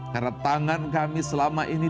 karena tangan kami selama ini